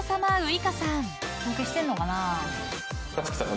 尊敬してんのかな？